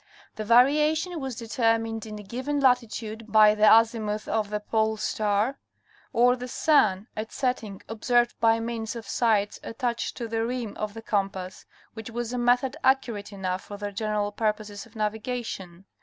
The variation was determined in a given latitude by the azimuth of the Polestar or the sun at setting observed by means of sights attached to the rim of the compass, which was a method accurate enough for the general purposes of navigation.